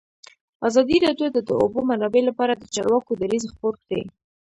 ازادي راډیو د د اوبو منابع لپاره د چارواکو دریځ خپور کړی.